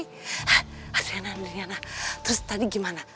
hei adriana adriana terus tadi gimana